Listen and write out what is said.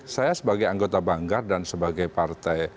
saya sebagai anggota banggar dan sebagai partai